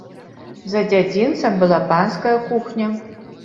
За дзядзінцам была панская кухня.